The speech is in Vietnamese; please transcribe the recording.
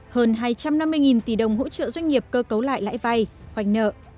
hơn hai trăm năm mươi tỷ đồng hỗ trợ doanh nghiệp cơ cấu lại lãi vay khoanh nợ